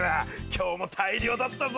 今日も大漁だったぞ！